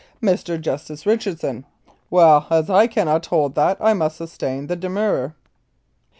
Mr. Justice Richardson :" Well, as I cannot hold that, I must sustain the demurrer."